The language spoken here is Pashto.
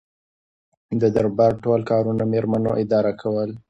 د دربار ټول کارونه میرمنو اداره کول.